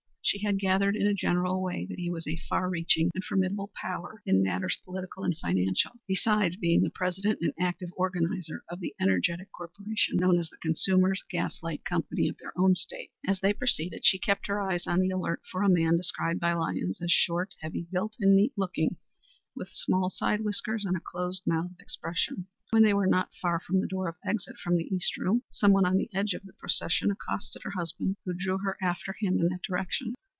She had gathered in a general way that he was a far reaching and formidable power in matters political and financial, besides being the president and active organizer of the energetic corporation known as the Consumers' Gas Light Company of their own state. As they proceeded she kept her eyes on the alert for a man described by Lyons as short, heavily built, and neat looking, with small side whiskers and a close mouthed expression. When they were not far from the door of exit from the East room, some one on the edge of the procession accosted her husband, who drew her after him in that direction.